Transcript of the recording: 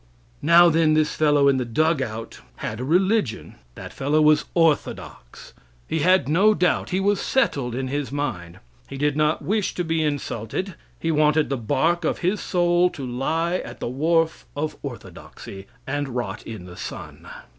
Now, then, this fellow in the dug out had a religion. That fellow was orthodox. He had no doubt; he was settled in his mind. He did not wish to be insulted. He wanted the bark of his soul to lie at the wharf of orthodoxy, and rot in the sun.